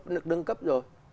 nước nâng cấp rồi